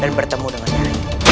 dan bertemu dengan nyari